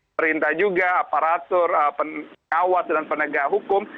perintah juga aparatur pengawas dan penegak hukum